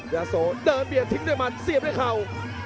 ยาโสเดินเบียดทิ้งด้วยมันเสียบด้วยเข่า